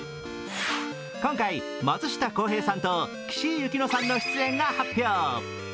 今回、松下洸平さんと岸井ゆきのさんの出演が発表。